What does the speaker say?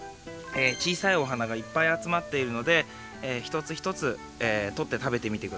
ちいさいお花がいっぱいあつまっているのでひとつひとつとって食べてみてください。